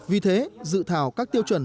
vì thế dự thảo các tiêu chuẩn